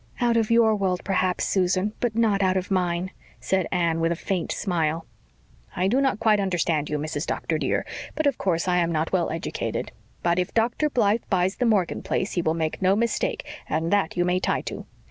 "Out of your world perhaps, Susan but not out of mine," said Anne with a faint smile. "I do not quite understand you, Mrs. Doctor, dear, but of course I am not well educated. But if Dr. Blythe buys the Morgan place he will make no mistake, and that you may tie to.